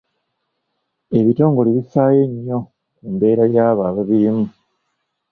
Ebitongole bifaayo nnyo ku mbeera y'abo ababirimu.